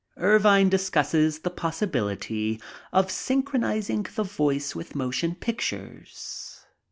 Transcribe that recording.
Ervine discusses the possibility of synchronizing the voice with motion pictures.